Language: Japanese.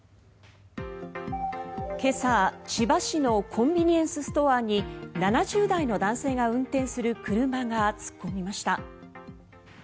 今朝、千葉市のコンビニエンスストアに７０代の男性が運転する車が突っ込みました。